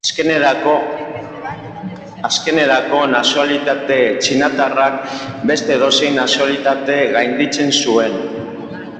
Azkenerako, nazionalitate txinatarrak beste edozein nazionalitate gainditzen zuen.